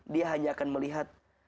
dia hanya akan melihat